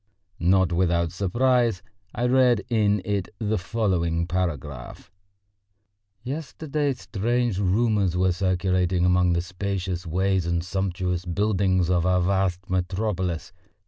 Not without surprise I read in it the following paragraph: "Yesterday strange rumours were circulating among the spacious ways and sumptuous buildings of our vast metropolis.